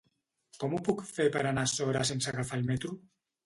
Com ho puc fer per anar a Sora sense agafar el metro?